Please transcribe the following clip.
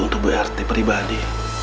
untuk bu rt pribadi